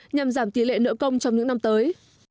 nhằm giảm tỷ lệ nợ công trong những năm tới